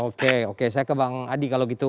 oke oke saya ke bang adi kalau gitu